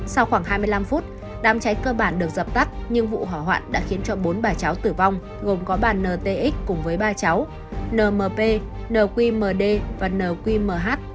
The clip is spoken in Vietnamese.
sau khoảng hai mươi năm phút đám cháy cơ bản được dập tắt nhưng vụ hỏa hoạn đã khiến cho bốn bà cháu tử vong gồm có bàn ntx cùng với ba cháu np nqmd và nqmh